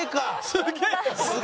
すげえ！